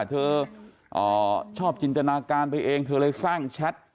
เธอชอบจินตนาการไปเองเธอเลยสร้างแชท